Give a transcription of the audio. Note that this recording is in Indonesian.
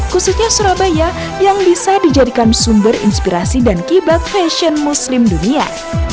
khususnya surabaya yang bisa dijadikan sumber inspirasi dan kibat fashion muslim dunia